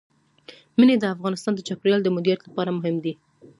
منی د افغانستان د چاپیریال د مدیریت لپاره مهم دي.